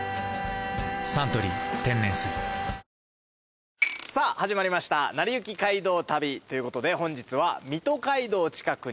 「サントリー天然水」さあ始まりました『なりゆき街道旅』ということで本日は。